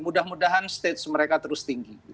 mudah mudahan stage mereka terus tinggi